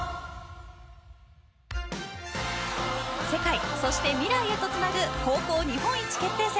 世界、そして未来へとつなぐ高校日本一決定